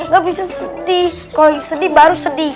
gak bisa sedih kalau sedih baru sedih